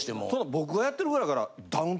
僕がやってるぐらいやから。